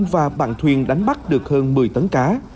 thẳng thuyền đánh bắt được hơn một mươi tấn cá